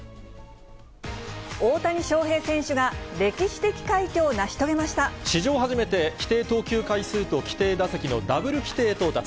大谷翔平選手が、史上初めて、規定投球回数と規定打席のダブル規定到達。